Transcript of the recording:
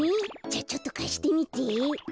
じゃあちょっとかしてみて。